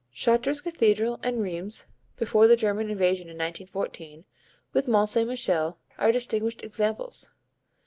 Chartres Cathedral and Rheims (before the German invasion in 1914) with Mont Saint Michel, are distinguished examples.